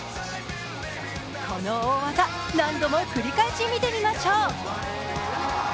この大技、何度も繰り返し見てみましょう。